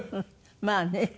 まあね。